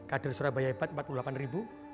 kader surabaya hebat empat puluh delapan ribu